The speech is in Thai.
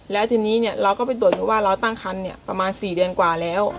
แล้วทีนี้เราก็ไปตรวจดูว่าเราตั้งคันประมาณ๔เดือนกว่าแล้ว